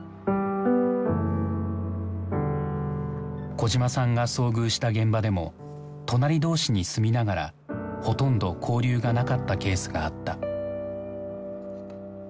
小島さんが遭遇した現場でも隣同士に住みながらほとんど交流がなかったケースがあった。